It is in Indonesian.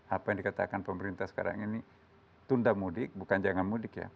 apa yang dikatakan pemerintah sekarang ini tunda mudik bukan jangan mudik ya